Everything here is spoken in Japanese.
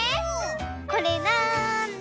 これなんだ？